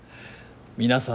皆さん